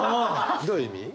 どういう意味？